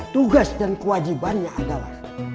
tugas dan kewajibannya adalah